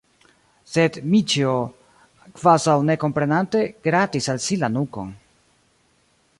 Sed Dmiĉjo, kvazaŭ ne komprenante, gratis al si la nukon.